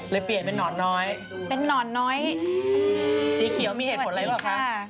เปลี่ยนเป็นนอนน้อยเป็นหนอนน้อยสีเขียวมีเหตุผลอะไรหรือเปล่าคะ